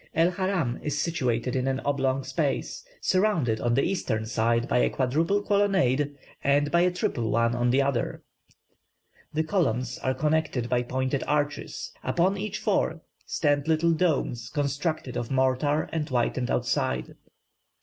El Haram is situated in an oblong space, surrounded on the eastern side by a quadruple colonnade, and by a triple one on the other. The columns are connected by pointed arches, upon each four stand little domes constructed of mortar and whitened outside.